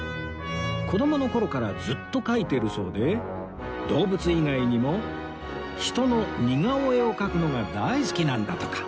子どもの頃からずっと描いてるそうで動物以外にも人の似顔絵を描くのが大好きなんだとか